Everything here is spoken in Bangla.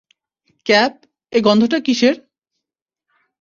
ক্যাপ, এ গন্ধটা কীসের?